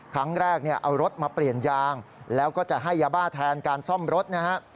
ครั้งแรกเนี่ยเอารถมาเปลี่ยนยางแล้วก็จะให้ยาบ้าแทนการซ่อมรถนะฮะ